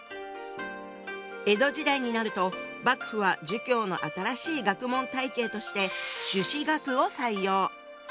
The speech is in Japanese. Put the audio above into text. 江戸時代になると幕府は「儒教」の新しい学問体系として「朱子学」を採用。